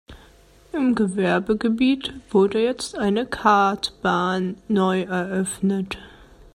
Im Gewerbegebiet wurde jetzt eine Kartbahn neu eröffnet.